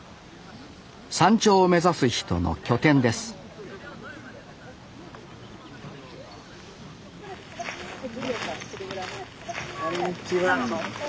山頂を目指す人の拠点ですこんにちは。